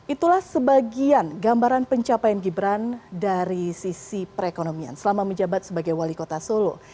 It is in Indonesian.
itulah sebagian gambaran pencapaian gibran dari sisi perekonomian selama menjabat sebagai wali kota solo